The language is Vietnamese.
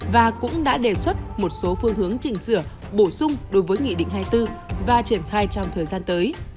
và cũng đã đề xuất một số phương hướng chỉnh sửa bổ sung đối với nghị định hai mươi bốn và triển khai trong thời gian tới